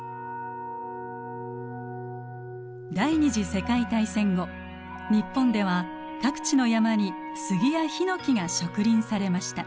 第二次世界大戦後日本では各地の山にスギやヒノキが植林されました。